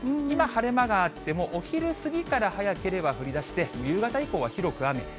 今晴れ間があっても、お昼過ぎから早ければ降りだして、夕方以降は広く雨。